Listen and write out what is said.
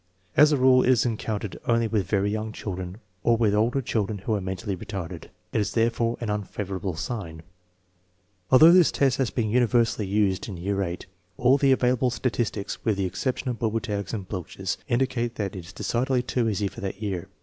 As a rule it is encountered only with very young children or with older children who are mentally retarded. It is therefore an unfavorable sign. Although this test has been universally used in year VIII, all the available statistics, with the exception of Bobertag's and Bloch's, indicate that it is decidedly too easy for that year.